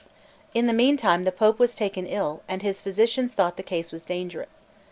LXXII IN the meantime the Pope was taken ill, and his physicians thought the case was dangerous.